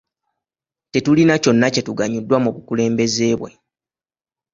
Tetulina kyonna kye tuganyuddwa mu bukulembeze bwe.